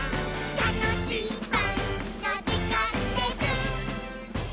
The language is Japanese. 「たのしいパンのじかんです！」